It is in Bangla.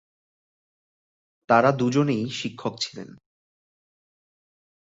তারা দুজনেই শিক্ষক ছিলেন।